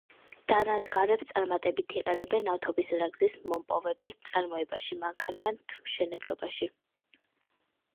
დანადგარებს წარმატებით იყენებენ ნავთობისა და გაზის მომპოვებელ წარმოებაში, მანქანათმშენებლობაში.